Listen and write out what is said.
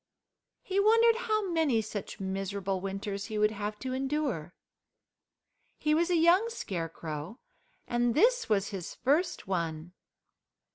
He wondered how many such miserable winters he would have to endure. He was a young Scarecrow, and this was his first one.